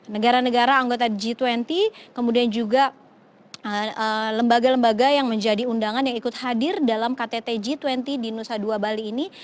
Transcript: negara negara anggota g dua puluh kemudian juga lembaga lembaga yang menjadi undangan yang ikut hadir dalam ktt g dua puluh di nusa dua bali ini